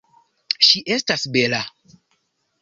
Ŝi estas bela.